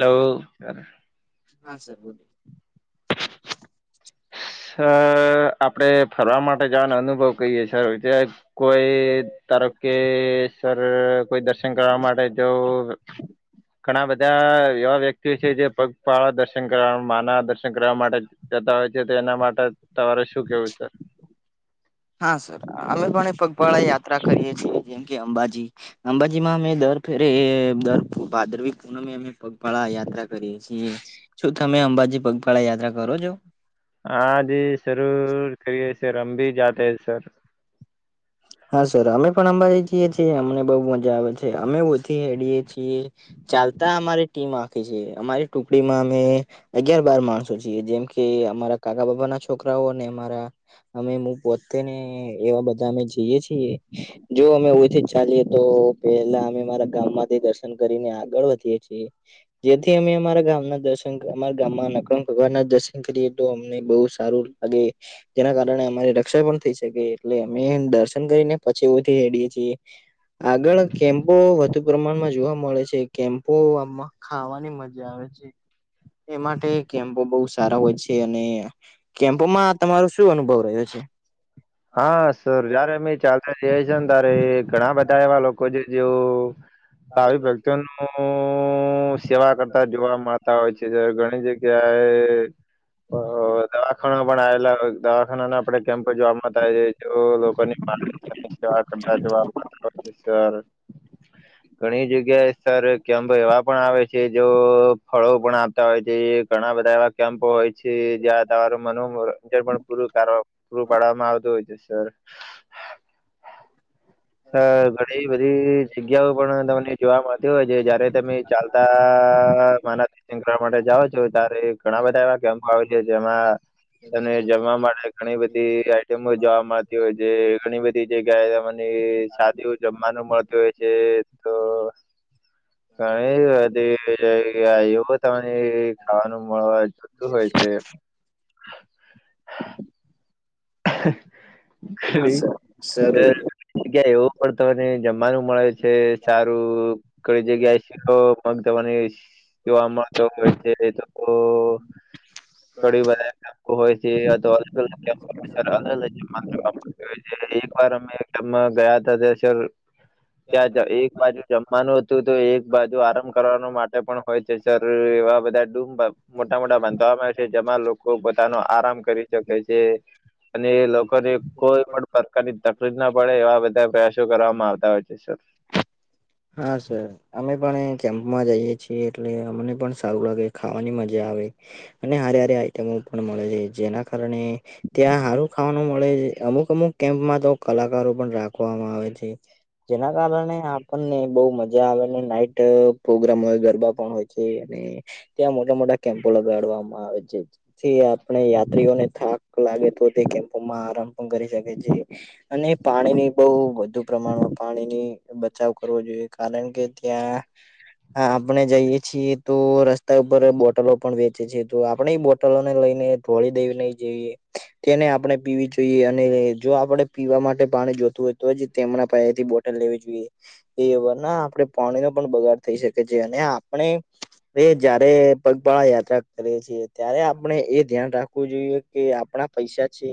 Hello. હા sir બોલો. આ [unintelligible] આપણે ફરવા માટે જવાનો અનુભવ કહીએ છે રોજે કોઈ તારો કે સર કોઈ દર્શન કરવા માટે જવું ઘણા બધા એવા વ્યક્તિઓ છે જે પગપાળા દર્શન કરવા માના દર્શન કરવા માટે જતા હોય છે તો એના માટે તમારે શું કેવું છે? હા સર અમે પણ પગપાળા યાત્રા કરીએ છીએ જેમ કે અંબાજી અંબાજીમાં અમે દર અરે એ ભાદરવી પૂનમે અમે પગપાળા યાત્રા કરીએ છીએ. શું તમે અંબાજી પગપાળા યાત્રા કરો છો? હા જે જરૂર કરીએ છે [unintelligible] હા સર અમે પણ અંબાજી જીએ છીએ અમને બહુ મજા આવે છે અમે તેડીએ છીએ ચાલતા અમારી ટીમ આખે છે અમારી ટુકડીમાં અમે અગિયાર બાર માણસો છીએ જેમ કે અમારા કાકા બાપા ના છોકરાઓ ને અમારા અમે હું પોતે ને એવા બધા અમે જઈએ છીએ જો અમે ઓછુ ચાલીએ તો પેલા અમે મારા ગામ માંથી દર્શન કરીને આગળ વધીએે છીએ. જેથી અમે અમારા ગામના દસ અમારા ગામમાં નખ ભગવાન ના દર્શન કરીએ તો અમને બહુ સારું લાગે જેના કારણે અમારી રક્ષા પણ થઈ શકે એટલે અમે દર્શન. કરીને પછી ઉથી હેડીએ છીએ આગળ. કેમ્પો વધુ પ્રમાણમાં જોવા મળે છે કેમ્પો આમાં ખાવાની મજા આવે છે. એ માટે કેમ્પો બહુ સારા હોય છે અને. કેમ્પમાં તમારો શું અનુભવ રહ્યો છે? હા સર જયારે અમે ચાલતા જએ છે ને તારે એ ઘણા બધા એવા લોકો જે જેવું આવી વ્યક્તિઓનું સેવા કરતા જોવા મળ તા હોય છે જ્યારે ઘણી જગ્યાએ દવાખાના પણ આવેલા હોય દવાખાનાને આપડે કેમ્પ જોવા મળતા છે જો લોકોની [unintelligible] ઘણી જગ્યાએ સર કેમ્પ એવા પણ આવે છે જો. ફળો પણ આપતા હોય છે ઘણા બધા એવા કેમ્પો હોય છે જ્યાં તમારું મનોરંજ પણ પૂરું કરો. પૂરું પાડવામાં આવતું હોય છે સર. અ ઘણી બધી જગ્યાઓ પણ તમને જોવા મળતી હોય છે જયારે તમે. ચાલતા માણસ. [unintelligible] માટે જાઓ છો ત્યારે ઘણા બધા એવા કેમ્પો આવે છે જેમાં. અને જમવા માટે ઘણી બધી આઈટમો જોવા મળતી હોય છે ઘણી બધી જગ્યાએ. એ સાદુ જમવાનું મળતું હોય છે તો. ઘણી બધી એવી જગ્યા તમને ખાવાનું મળવા. હોય છે. જગ્યા એવું પણ તમને જમવાનું મળે છે. તે સારું કોઈ જગ્યાશ મગ તને. [inaudible] જોવા મળતો હોય છે તો [unintelligible] હોય છે [unintelligible] સર અલગલ એક વાર [inaudible] અમે ગયા હતા સર તો ત્યાં એક બાજુ જમવાનું હતું તો એક બાજુ આરામ કરવાનો માટે પણ હોય છે સર એવા બધા રુમ બા મોટા મોટા બંધાવવામાં છે જેમાં લોકો પોતાનો આરામ કરી શકે છે. અને એ લોકો ને કોઈ પણ પ્રકારની તકલીફ ના પડે એવા બધા પ્રયાસો કરવામાં આવતા હોય છે. [inaudible] હા સર. અમે પણ કેમ્પમાં જઈએ છીએ એટલે અમને પણ સારું લાગે ખાવાની મજા આવે. અને હારે હારી આઈટમો પણ મળે છે જેના કારણે ત્યાં હારું ખાવાનું મળે છે અમુક અમુક કેમ્પમાં તો કલાકારો પણ રાખવામાં આવે છે. જેના કારણે આપણ ને. ખૂબ મજા આવે નાઈટ પ્રોગ્રામ હોય ગરબા પણ હોય છે અને. ત્યાં મોટા મોટા કેમ્પો લગાડવામાં આવે છે જેથી આપણે યાત્રીઓને થાક લાગે તો તે કેમ્પોમાં આરામ પણ કરી શકે છે. અને પાણી ની બ‌ઉ વધુ પ્રમાણમાં પાણી ની બચાવ કરવો જોઈએ. કારણ કે ત્યાં. હા આપણે જઈએ છીએ તો રસ્તા ઉપર બોટલો પણ વેચે છે તો આપણે બો ટલોને લઈને તોડી દેને જઈએ તેને આપણે પીવી જોઈએ અને જો આપણેે પીવા માટે પાણી જોતું હોય તો જ તેમના પાયે થી બોટલ લેવી જોઈએ એ ના આપણે પાણીનો પણ બગાડ થઈ શકે છે અને આપણે અ જયારે પગપાળા યાત્રા કરીએ છીએ ત્યારે આપણે એ ધ્યાન રાખવું જોઈએ કે આપણા પૈસા છે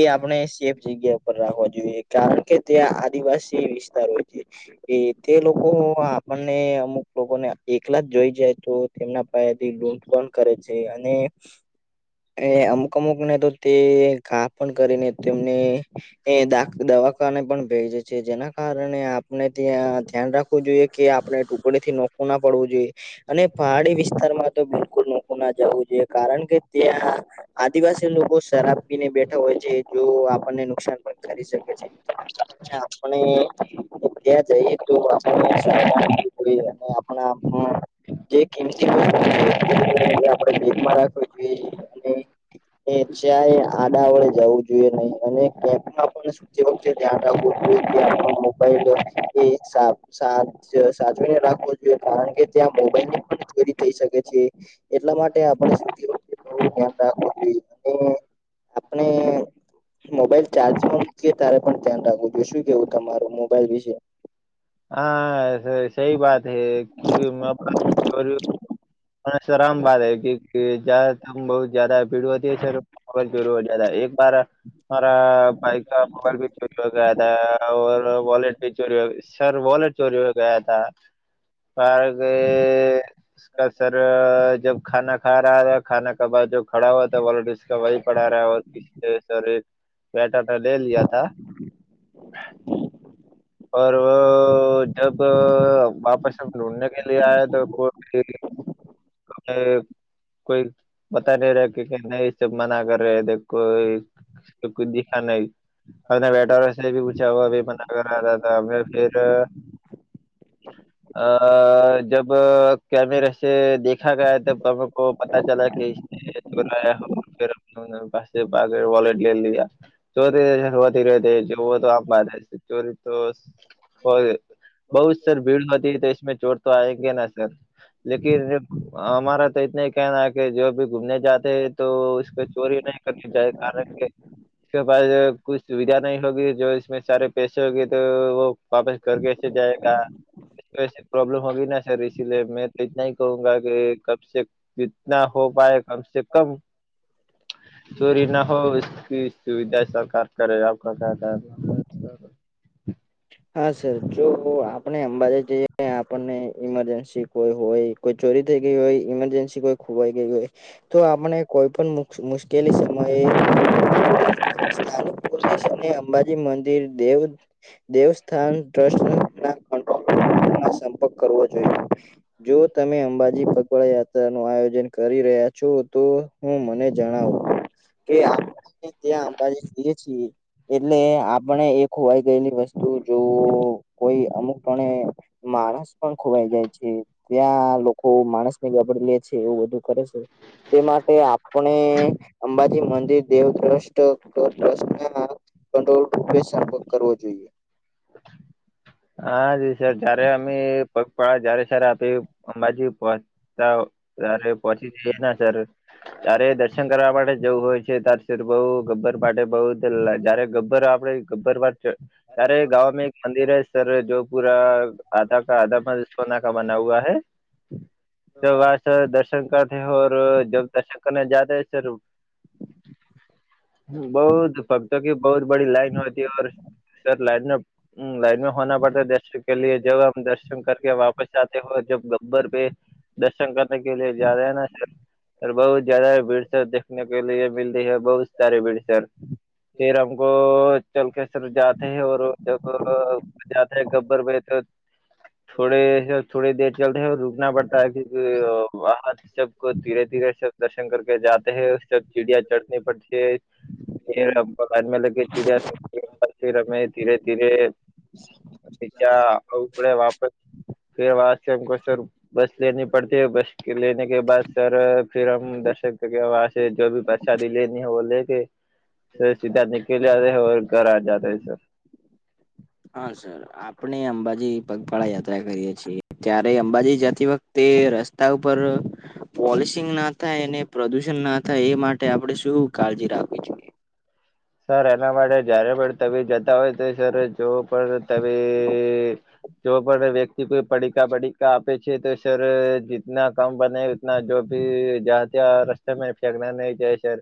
એ આપણે સેફ જગ્યા રાખવા જોઈએ કારણ કે ત્યાં આદિવાસી વિસ્તાર હોય છે એ તે લોકો આપણને અમુક લોકોને એકલા જ જોઈ જાય તો તેમના થી લૂંટ પણ કરે છે અને [inaudible] એ અમુક અમુક ને તો તે ઘા પણ કરીને તેમને એ દા દવાખાને પણ ભેજે છે જેના કારણે આપણે ત્યાં ધ્યાન રાખવું જોઈએ કે આપણે ટુકડી થી નોખું ના પડવું જોઈએ અને પહાડી વિસ્તારમાં તો બિલકુલ નોખું ના જવું જોઈએ કારણ કે ત્યાં આદિવાસી લોકો શરાબ પીને બેઠા હોય છે જો આપણને નુકસાન પણ કરી શકે છે ને આપણે ત્યાં જઈએ તો આપણે [inaudible] [inaudible] અને [inaudible] એ ચ્યાય આડા અવડે જવું જોઈએ નહી. અને કેપમાં પણ [inaudible] જો કે ધ્યાન રાખવું. એ કે આપણો મોબાઈલ એ સાત સાત સાચવીને રાખવો. જોઈએ. કારણ કે ત્યાં મોબાઈલની પણ ચોરી થઈ શકે છે. એટલા માટે આપણે સૂતી વખ તે બહુ ધ્યાન રાખવું જોઈએ. અને આપણે મોબાઈલ ચાર્જમાં મૂકીએ ત્યારે પણ ધ્યાન રાખવું જોઈએ. શું કેવું તમારું મોબાઈલ વિશે? હા સહી બાત હૈ. કયુંકી [inaudible] સરમ બાત હે. ક્યુકી જ્યાદા [inaudible] જ્યાદા ભીડ વધે છે તો. કોલ ચૂરુ હો જાતા હૈ. એક બારા મારા ભાઈકા મોબાઈલ ભી ચોરી હો ગયા થા. ઓર વોલેટ ભી ચોરી હો [inaudible] સર વોલેટ ચોરી હો ગયા થા. પર ક સર જબ ખાના ખા રહા થા ખાના કબા જો ખડા હુવા થા વોલેટ ઉસકા વહી પડા રહા ઔર [inaudible] બેઠા તા લે લિયા થા. [inaudible] પર વો જબ વાપસ ઢૂંઢને કે લિયે આયા તો કોઈ [inaudible] [inaudible] કોઈ બતા નહિ રહા ક્યુકી નહી સબ મના કર રહે હૈ દેખો સબ કુછ દિખા નહિ. ઓર મેં વેટરો સે ભી પૂછા વોભી મના કર રહા થા. મેં ફિર અ જબ તો કેમેરે સે દેખા ગયા તબ હમ કો પતા ચલા કે [inaudible] ફિર હમ પાસે ભાગે વોલેટ લે લીયા. ચોરી હોતી રહેતી હૈ જો વોતો આપ માને ચોરી. તો બહુ સર ભીડ હોતી તો ઈસમે ચોર તો આયગે ના સર. લેકિન યે હમારા તો ઈતના હી કહેના કે જો ભી ઘૂમને જાતે હે તો ઉસકો ચોરી નહી કરની ચાહીએ. કારણ કે કે ભાઈ અ કુછ સુવિધા નહી હોગી જો ઈસમે સારે પેશ તો હોગી તો વાપસ કર કે એસે જાયેગા [inaudible] પ્રોબ્લેમ હોગી ના સર ઈસી લિયે મેં તો ઈતના હું કહુંગા કે કબ સે જીતના હો પાય કમસે કમ ચોરી ન હો [inaudible] સુવિધા સરકાર કરે. આપકા ક્યા કહેના? [inaudible] હા સર જો આપણે અંબાજે જઈએ આપણને ઈમરજન્સી કોઈ હોય. કોઈ ચોરી થઈ ગઈ હોય, ઇમરજન્સી કોઈ ખોવાઈ ગઈ હોય. તો આપણે કોઈ પણ મુશ્કેલી સમયે [inaudible] ભુલાશે નહી અંબાજી મંદિર દેવ. દેવસ્થાન ટ્રસ્ટના કોન્ટેક માં રહીને સંપર્ક કરવો જોઈએ. જો તમે અંબાજી પગવાડ યાત્રા નું આયોજન કરી રહ્યા છો તો હું મને જણાવ. કે આપણે ત્યાં અંબાજી જઈએ છીએ એટલે આપણે એ ખોવાઈ ગયેલી વસ તો જો કોઈ અમુક પણે માણસ પણ ખોવાઈ જાય છે. ત્યાં લોકો માણસ ને વાપરી લે છે એવું બધું કરે છે. તે માટે આપણે અંબાજી મંદિર દેવ ટ્રસ્ટ ટ્રસ્ટના [inaudible] સંપર્ક કરવો જોઈએ. હા [unintelligible] સર જયારે અમે ભ પણ જયારે સર આપે અંબાજી ઉપર તો રાતે પહોચી જઈએ ના સર તારે દર્શન કરવા માટે જ જવું હોય છે તાર દર્શન બહુ ગબર માટે બહુ [inaudible] જ્યારે ગબ સર આપણે ગબર માથે તારે ગાવામાં એક મંદિરે સર જો પુરા આધા કા આધા મહેલ સોના કા બના હુઆ હૈ. હ તો વાસ દર્શન કરને હોર જબ દર્શન કરવા જાતે ચલો. બહુત ભક્તો કી બહુત બડી લાઇન હોતી ઓર સર લાઈનમ લાઈન મેં [unintelligible] પડતા હૈ દર્શન કે લિએ જબ આપ દર્શન કરકે વાપસ આતે હો તબ ગબ્બર પે દર્શન કરને કે લીએ જા રહેન બહુ જયાદા ભીડસર દેખને કે લીએ મિલતી હૈ બહુત સારી વીડસર. ફીર હમકો ચલકે સર જાતે હૈ ઓર જબ જાતે હૈ ગબ્બર પે તો થોડે થોડી દેર ચલતે રૂકના પડતા હૈ કયોકિ ઓ સબ કુછ ધીરે ધીરે સબ દર્શન કરકે જાતે હૈ ઉ સીડિયા ચઢની પડતી હૈ. એ [unintelligible] હમકો બાદ મેં લેકે સિડીયા ફીર હમે ધીરે ધીરે જયા [unintelligible] વાપર ફેર વહા સે હમકો ચઢ બસ લેની પડતી હો બસ લેને કે બાદ સર ફિર હમ દર્શક કરકે વહા સે જો ભી બસ શાદી લેની હૈ વો લેકે સીધા [unintelligible] ઔર ઘર આ જાતે હૈ સર. હા સર આપણે અંબાજી પગપાળા યાત્રા કરીએ છીએ. ત્યારે અંબાજી જતી વખતે રસ્તા ઉપર પોલિશિંગ ના થાય અને પ્રદુષણ ના થાય એ માટે આપણેે શું કાળજી રાખવી જોઈએ? સર એના માટે જયારે પણ તમે જતાં હોય તો સર જો પણ તમે જો પણ વ્યક્તિ કોઈ પડીકા બડીકા આપે છે તો સર જતના કમ બને જો ભી જાતે રસ્તો મે ફેંકના નઈ ચાહિયે સર.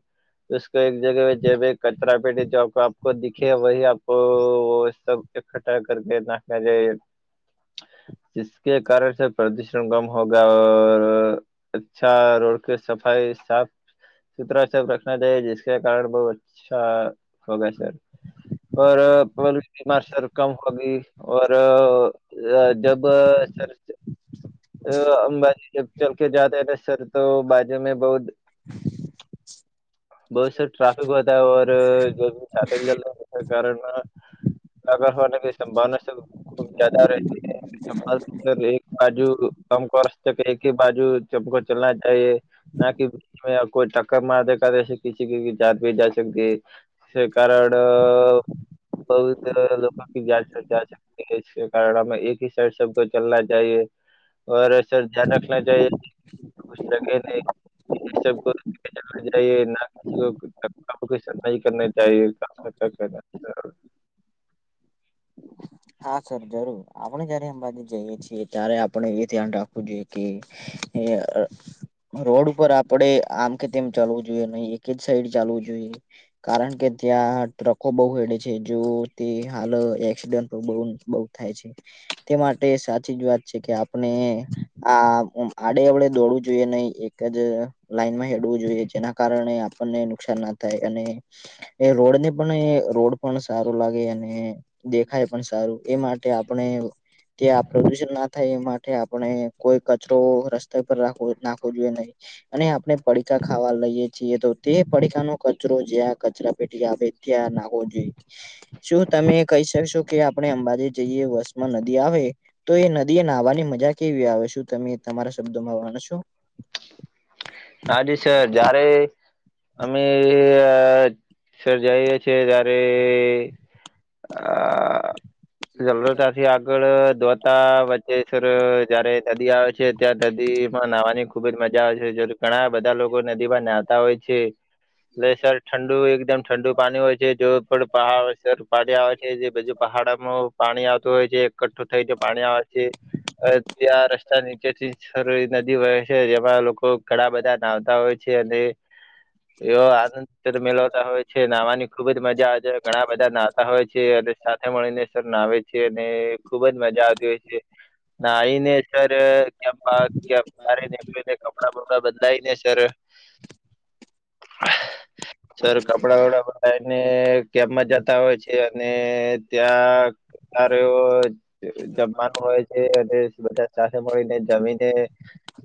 ઉસકો એક જગહ પે જબે કચરાપેટી જબ આપકો દીખે વહી આપકો વોહ સબ ઈકઠ્ઠા કરકે નાખયા જે જિસ કે કારણ શે પ્રદુષણ કમ હોગા ઔર અચ્છા રોડ કે સફાઈ સાફ સુથરા સબ રખના ચાહિયે જીસકે કારણ બહુ અચ્છા હો શકે ઔર કવોલિટીમા સર અભી ઓ જબ સર અ અંબાજી જબ ચલકે જાતે હૈ તો સર તો બાજુ મેં બહુત બહોત સર ટ્રાફિક હોતા હૈ ઔર જો [unintelligible] [unintelligible] હોન સંભાવના ખૂબ જયાદા રહે છે. ચમ્પલ એક બાજુ [unintelligible] કરર્ષ સબકો એક હી બાજુ સબકો ચલના ચાહિયે. ના કે કોઈ ટક્કર માર દે કર એસે કીસી કી જાન ભી જા શકતી હૈ. સરકાળ બહુત લોકો કા જાચ પડતાલ કારડામાં એક હી સાઈડ સબકો ચલના ચાહિએ ઔર સર ધ્યાન રાખના ચાહિએ. [unintelligible] ચાહિએ ના કો સફાઈ કરના ચાહિએ [unintelligible] હા સર જરૂર આપણે જયારે અંબાજી જઈએ છીએ ત્યારે આપણે એ ધ્યાન રાખવું જોઈએ કે એ અ રોડ ઉપર આપડે આમ કે તેમ ચાલવું જોઈએ નહીં એક જ સાઈડ ચાલવું જોઈએ. કારણ કે ત્યાં ટ્રકો બહુ હેડે છે જો તે હાલ એક્સિડન્ટ બઉ બઉ થાય છે તે માટે સાચી જ વાત છે કે આપણે આ આડે અવડે દોડવું જોઈએ નહીં એક જ લાઈનમાં ડવુ જોઈ જેના કારણે આપણને નુકસાન ના થાય અને એ રોડને પણ એ રોડ પણ સારો લાગે અને ખાય પણ સારું એ માટે આપણે ત્યાં પ્રદુષણ ના થાય એ માટે આપણે કોઈ કચરો રસ્તા પર રાખવો નાખ ખવુ જોઈએ નહીં અને આપણે પડીકા ખાવા લઈએ. છીએ તો તે પડીકનો કચરો જ્યાં કચરા પેટી આવે ત્યાં નાખવો જોઈએ શું તમે કહી શકશો કે આપણે અંબાજી જઈએ વસમાં નદી આવે તો એ નદી એ નાહવાની મજા કેવી આવે શું તમે તમારા શબ્દોમાં વાણ છો? હાજ સર જયારે અમે સરજઈએ છેીએ ત્યારે [inaudible] જરૂરતાથી આગળ ધોતા જયારે નદી આવે છે ત્યાં નદી માં નાહવાની ખુબ જ મજા આવે છે. ઘણા બધા લોકો નદીમાં નાહતા હોય છે. એટલે સર ઠંડુ એકદમ ઠંડુ પાણી હોય છે જો પણ પહાડસ પાડી આવે છે જે બજુ પહાડ પાણી આવતું હોય છે એકઠું થઈ જ પાણી આવે છે ત્યાં રસ્તા નીચે થી નદી વહે છે જેમાં લોકો ઘણા બધા નાવતા હોય છે અને એવ આનંદ મેલાવતા હોય છે નાવાની ખુબ જ મજા આવે છે ઘણા બધા નાતા હોય છે અને સાથે મળીને નાવે છે અને ખુબ જ મજા આવતી હોય છે નાઈને સર ક્યાં બરે નીકળને કપડાં બપડા બદલાય ને સર [inaudible] સર કપડા વપડા બનાવીને કે્પમાં જતા હોય છે અને ત્યાં [unintelligible] મા હોય છે બધા સાથે મળીને જમીને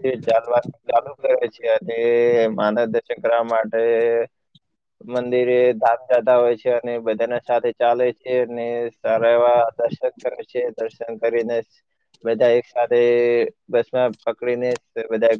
તે ચાલવા ચાલુ કરે છે અને માનવ દર્શન કરવા માટે મંદિરે ધામ જતા હોય છે અને બધાના સાથે ચાલે છે અને સારા એવા દર્શક કરે છે દર્શન કરીને બધા એક સાથે બસમાં પકડીને બધા